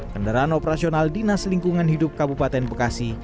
kendaraan operasional dinas lingkungan hidup kabupaten bekasi